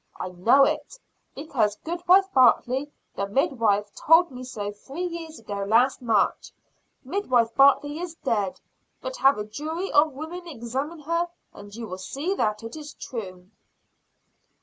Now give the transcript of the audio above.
I know it, because goodwife Bartley, the midwife, told me so three years ago last March. Midwife Bartley is dead; but have a jury of women examine her, and you will see that it is true."